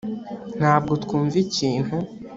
ntabwo twumva ikintu